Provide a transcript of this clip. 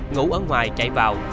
ngủ ở ngoài chạy vào